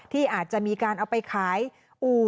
ที่อาจจะมีการเอาไปขายอู่